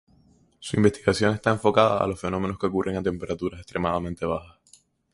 Su investigación está enfocada a los fenómenos que ocurren a temperaturas extremadamente bajas.